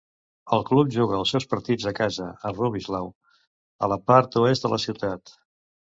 El club juga els seus partits a casa a Rubislaw, a la part oest de la ciutat.